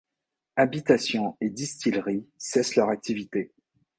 Habitations et distilleries cessent leurs activités.